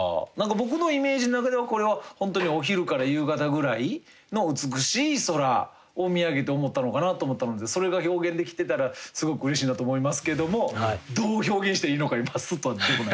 僕のイメージの中ではこれは本当にお昼から夕方ぐらいの美しい空を見上げて思ったのかなと思ったのでそれが表現できてたらすごくうれしいなと思いますけどもどう表現していいのか今スッとは出てこない。